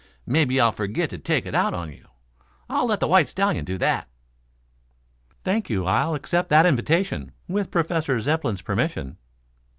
Mebby I'll forgit to take it out of you. I'll let the white stallion do that." "Thank you; I'll accept that invitation, with Professor Zepplin's permission."